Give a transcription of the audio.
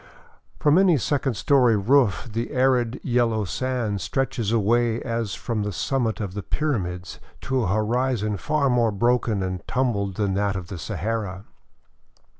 From any second story roof the arid, yellow sand stretches away as from the summit of the pyramids to a horizon far more broken and tumbled than that of the Sahara.